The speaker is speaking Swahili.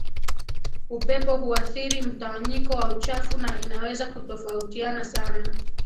upepo huathiri mtawanyiko wa uchafu na inaweza kutofautiana sana